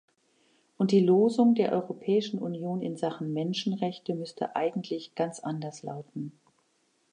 Und die Losung der Europäischen Union in Sachen Menschenrechte müsste eigentlich ganz anders lauten.